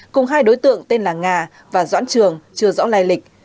cùng hai đối tượng tên là nga và doãn trường chưa rõ lai lịch